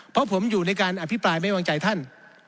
เพราะผมอยู่ในการอภิปรายไม่วางใจท่าน